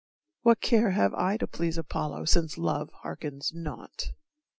What care have I To please Apollo since Love hearkens not?